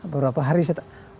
beberapa hari setelah